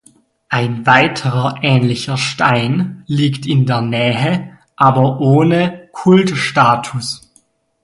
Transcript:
Ein weiterer ähnlicher Stein liegt in der Nähe, aber ohne Kultstatus.